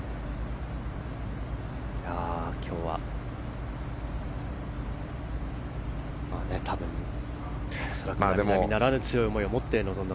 今日は多分並々ならぬ強い思いを持って臨んで。